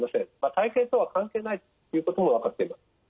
体型とは関係ないということも分かっています。